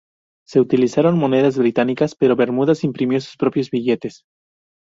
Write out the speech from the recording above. Se utilizaron monedas británicas pero Bermudas imprimió sus propios billetes.